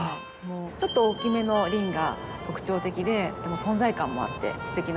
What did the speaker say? ちょっと大きめの輪が特徴的でとても存在感もあってすてきなお花ですよね。